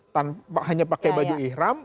tanpa hanya pakai baju ikhram